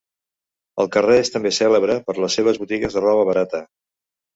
El carrer és també cèlebre per les seves botigues de roba barata.